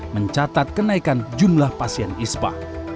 mencatat kenaikan jumlah pasien ispa